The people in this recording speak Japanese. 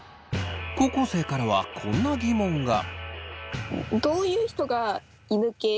高校生からはこんな疑問が。